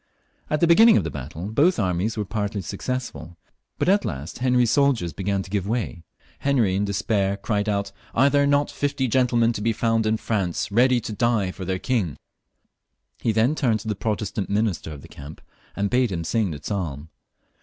At the beginning of the battle both armies were partly successful, but at last Henry's soldiers began to give way. Henry in despair cried out —" Are there not fifty gentle men to be found in France ready to die with their king ?" He then turned to the Protestant minister of the camp, and bade him sing the psalm.